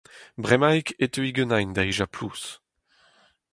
Bremaik e teui ganin da hejañ plouz.